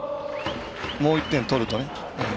もう１点取ると。